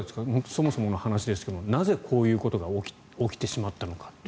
そもそもの話ですがなぜこういうことが起きてしまったのかという。